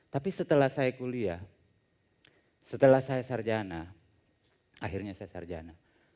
tapi setelah saya kuliah setelah saya sarjana akhirnya saya sarjana